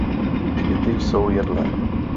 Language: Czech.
Květy jsou jedlé.